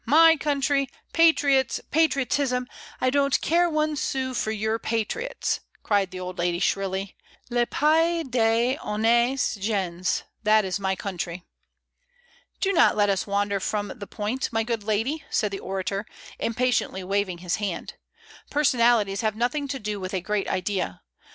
my country! Patriots, patriotism, I don't care one sou for your patriots," cried the old lady shrilly. "Zf pays des honnttes gens, that is my country." "Do not let us wander from the point, my good lady," said the orator, impatiently waving his hand; "personalities have nothing to do with a great idea.